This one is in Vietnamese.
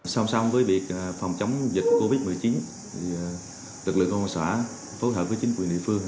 song song với việc phòng chống dịch covid một mươi chín lực lượng công an xã phối hợp với chính quyền địa phương